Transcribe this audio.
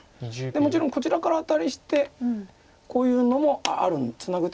もちろんこちらからアタリしてこういうのもあるツナぐ